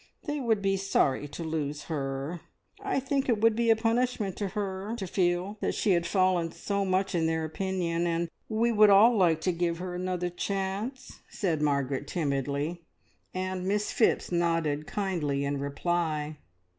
They would be sorry to lose her. I think it would be a punishment to her to feel that she had fallen so much in their opinion, and we would all like to give her another chance," said Margaret timidly, and Miss Phipps nodded kindly in reply.